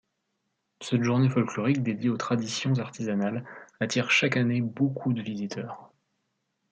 Cette journée folklorique dédiée aux traditions artisanales attire chaque année beaucoup de visiteurs.